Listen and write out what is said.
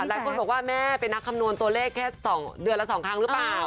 หลายคนบอกว่าแม่เป็นนักคำนวณตัวเลขแค่๒เดือนละ๒ครั้งหรือเปล่า